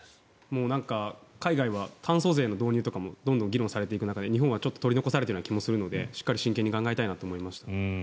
もう海外は炭素税の導入とかも色々議論されていく中で日本は取り残されている気もしますのでしっかり真剣に考えたいなと思いました。